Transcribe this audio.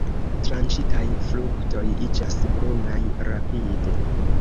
Tranĉitaj fruktoj iĝas brunaj rapide.